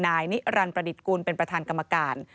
นายนิรันดิประดิษฐ์กุลเป็นประธานกรรมการ